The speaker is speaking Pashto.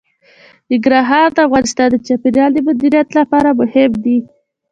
ننګرهار د افغانستان د چاپیریال د مدیریت لپاره مهم دي.